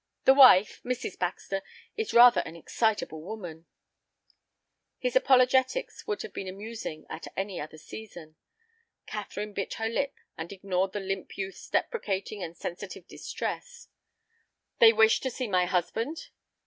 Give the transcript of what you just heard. The wife, Mrs. Baxter, is rather an excitable woman—" His apologetics would have been amusing at any other season. Catherine bit her lip and ignored the limp youth's deprecating and sensitive distress. "They wish to see my husband?"